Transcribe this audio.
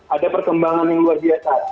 ada perkembangan yang luar biasa